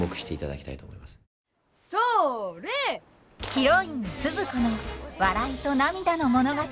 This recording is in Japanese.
ヒロインスズ子の笑いと涙の物語。